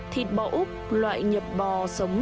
thịt bò úc loại nhập bò sống